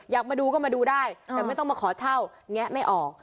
อยากมาดูก็มาดูได้แต่ไม่ต้องมาขอเช่าแงะไม่ออก